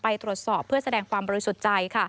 ไปตรวจสอบเพื่อแสดงความบริสุทธิ์ใจ